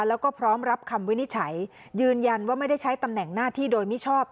แล้วก็พร้อมรับคำวินิจฉัยยืนยันว่าไม่ได้ใช้ตำแหน่งหน้าที่โดยมิชอบ